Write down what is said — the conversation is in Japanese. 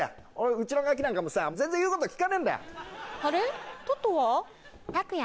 うちのガキなんかもさ全然言うこと聞かねえんだよ。